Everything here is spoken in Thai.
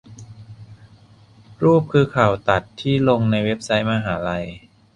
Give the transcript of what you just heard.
รูปคือข่าวตัดที่ลงในเว็บไซต์มหาลัย